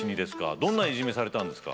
どんないじめされたんですか？